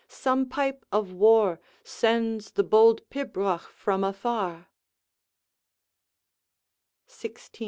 some pipe of war Sends the hold pibroch from afar.' XVI.